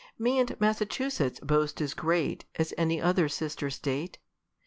Mayn't Massachusetts boast as great As any other sister state